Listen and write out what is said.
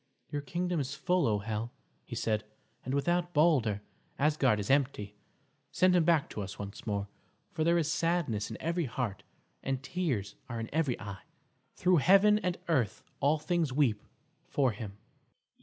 "Your kingdom is full, O Hel!" he said, "and without Balder, Asgard is empty. Send him back to us once more, for there is sadness in every heart and tears are in every eye. Through heaven and earth all things weep for him."